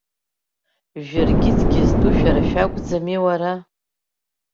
Жәыргьыҭгьы зтәу шәара шәакәӡами, уара?